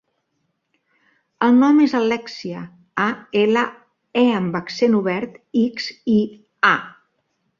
El nom és Alèxia: a, ela, e amb accent obert, ics, i, a.